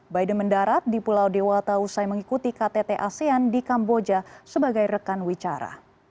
biden mendarat di pulau dewata usai mengikuti ktt asean di kamboja sebagai rekan wicara